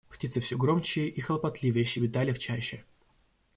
Птицы всё громче и хлопотливее щебетали в чаще.